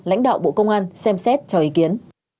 lãnh đạo bộ công an xem xét cho ý kiến